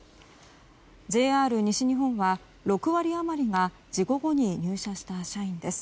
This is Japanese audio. ＪＲ西日本は６割余りが事故後に入社した社員です。